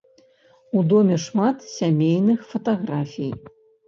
У доме шмат сямейных фатаграфій.